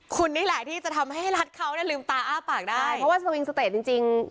คุณนี่แหละที่จะทำให้รัฐเขาเนี่ยลืมตาอ้าปากได้เพราะว่าสวิงสเตจจริงจริง